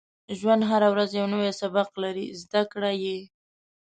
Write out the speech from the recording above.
• ژوند هره ورځ یو نوی سبق لري، زده کړه یې.